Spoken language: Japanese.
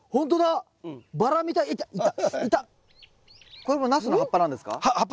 これもナスの葉っぱなんですか？